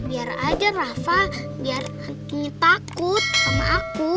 biar aja rafa biar takut sama aku